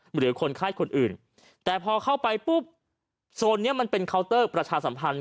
หรือคนไข้คนอื่นแต่พอเข้าไปปุ๊บโซนนี้มันเป็นเคาน์เตอร์ประชาสัมพันธ์